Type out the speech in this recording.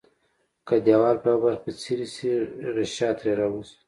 که دیوال په یوه برخه کې څیري شي غشا ترې راوځي.